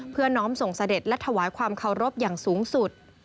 น้องส่งเสด็จและถวายความเคารพอย่างสูงสุด